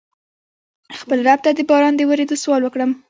خپل رب ته د باران د ورېدو سوال وکړم.